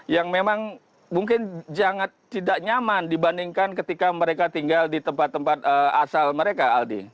yang memang mungkin tidak nyaman dibandingkan ketika mereka tinggal di tempat tempat asal mereka aldi